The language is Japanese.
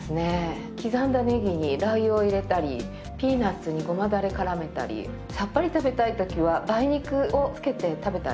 刻んだねぎにラー油を入れたりピーナツにごまだれ絡めたりさっぱり食べたい時は梅肉を付けて食べたり。